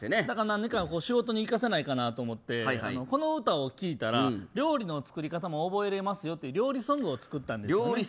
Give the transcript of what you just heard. ただ何かこう、仕事に生かせないかなと思ってこの歌を聞いたら料理の作り方も覚えれますよっていう料理ソング？